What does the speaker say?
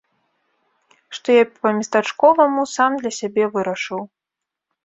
Што я па-местачковаму сам для сябе вырашыў.